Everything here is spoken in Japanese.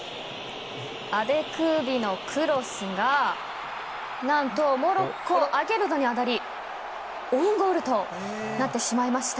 アデクービのクロスがなんと、モロッコアゲルドに当たりオウンゴールとなってしまいました。